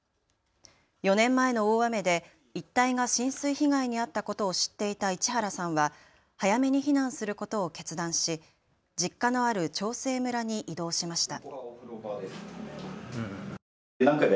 ４年前の大雨で一帯が浸水被害に遭ったことを知っていた市原さんは早めに避難することを決断し実家のある長生村に移動しました。